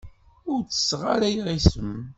Ur ttesseɣ ara iɣisem.